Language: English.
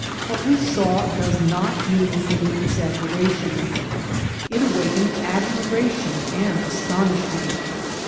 What we saw does not need any exaggeration. It awakened admira tion and astonishment.